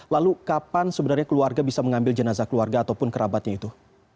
lalu kapan sebenarnya keluarga bisa mengambil jenazah keluarga ataupun kerabatnya itu